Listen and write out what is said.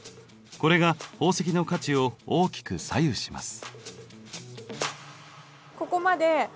これが宝石の価値を大きく左右します。